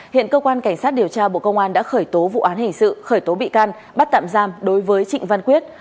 hiện cơ quan cảnh sát điều tra bộ công an đã khởi tố vụ án hình sự khởi tố bị can bắt tạm giam đối với trịnh văn quyết